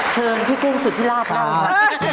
เชิงพี่เก้งสุดที่ราบมาก